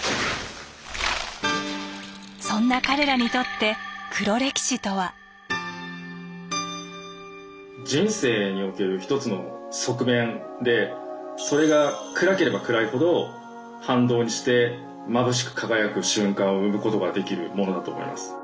そんな彼らにとって人生における一つの側面でそれが暗ければ暗いほど反動にしてまぶしく輝く瞬間を生むことができるものだと思います。